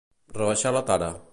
Rebaixar la tara.